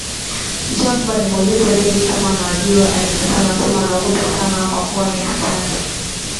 Jacob alimuuliza Debby kama anawajua alikataa na kusema anaogopa sana kwa kuwa ni hatari